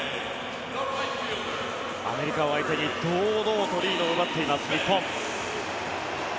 アメリカを相手に堂々とリードを奪っています日本。